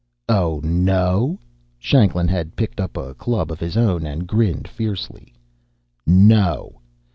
"Oh, no?" Shanklin had picked up a club of his own, and grinned fiercely. "No.